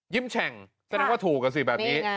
ยิ้มแฉ่งแสดงว่าถูกสิแบบนี้